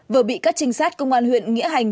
vừa bị các trinh sát công an huyện nghĩa hành